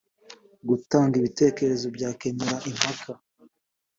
gutanga ibitekerezo byakemura impaka